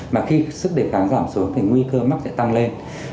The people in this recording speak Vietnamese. mà khi sức đề kháng giảm xuống thì nguy cơ mắc sẽ tăng lên